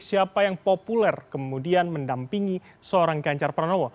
siapa yang populer kemudian mendampingi seorang ganjar pranowo